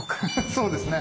そうですね